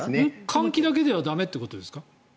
換気だけでは駄目ということですか？